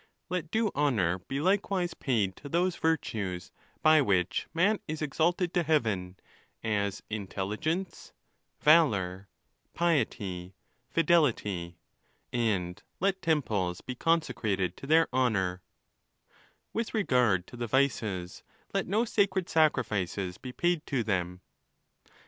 Let due | honour be likewise paid to those virtues, by which man is exalted to heaven,—as Intelligence, Valour, Piety, Fidelity ; and let temples be consecrated to their honour—with regard to the vices, let no sacred sacrifices be paid to them.